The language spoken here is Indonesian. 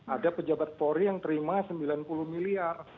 ada pejabat polri yang terima sembilan puluh miliar